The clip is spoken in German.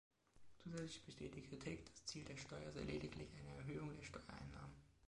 Zusätzlich besteht die Kritik, das Ziel der Steuer sei lediglich eine Erhöhung der Steuereinnahmen.